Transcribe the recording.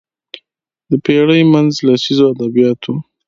د پېړۍ منځ لسیزو ادبیات وو